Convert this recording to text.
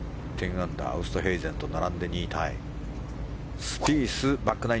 アンダーウーストヘイゼンと並んで２位タイ。